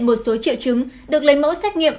một số triệu chứng được lấy mẫu xét nghiệm